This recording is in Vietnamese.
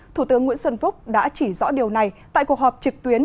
thủ tướng nguyễn xuân phúc đã chỉ rõ điều này tại cuộc họp trực tuyến